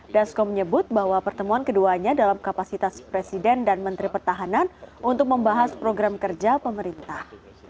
dasko menyebut bahwa pertemuan keduanya dalam kapasitas presiden dan menteri pertahanan untuk membahas program kerja pemerintah